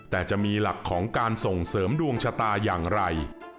แต่จะมีหลักของการส่งเสริมดวงชะตาอย่างไร